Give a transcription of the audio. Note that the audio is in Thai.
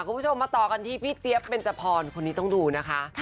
คุณผู้ชมมาต่อกันที่พี่เจี๊ยบเบนจพรคนนี้ต้องดูนะคะ